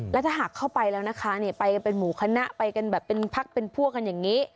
แล้วถ้าหากเข้าไปแล้วนะคะไปกันเป็นหมู่คณะไปกันแบบเป็นพักเป็นพวกกันอย่างนี้